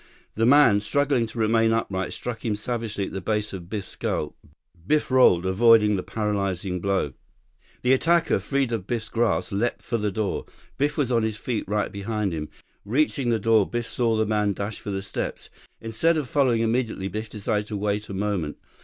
The man, struggling to remain upright, struck down savagely at the base of Biff's skull. Biff rolled, avoiding the paralyzing blow. The attacker, freed of Biff's grasp, leaped for the door. Biff was on his feet, right behind him. Reaching the door, Biff saw the man dash for the steps. Instead of following immediately, Biff decided to wait a moment.